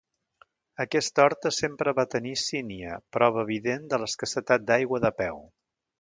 Aquesta horta sempre va tenir sínia, prova evident de l'escassetat d'aigua de peu.